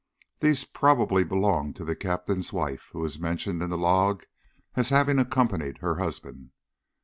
These probably belonged to the captain's wife, who is mentioned in the log as having accompanied her husband.